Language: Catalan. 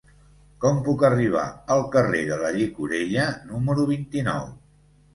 Com puc arribar al carrer de la Llicorella número vint-i-nou?